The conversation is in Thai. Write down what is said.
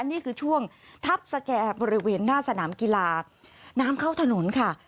นี่คือช่วงทัพสแก่บริเวณหน้าสนามกีฬาน้ำเข้าถนนค่ะ